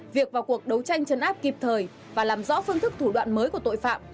việc vào cuộc đấu tranh chấn áp kịp thời và làm rõ phương thức thủ đoạn mới của tội phạm